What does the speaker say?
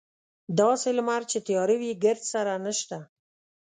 داسې لمر چې تیاره وي ګردسره نشته.